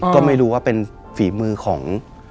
ก็ไม่รู้ว่าเป็นฝีมือของ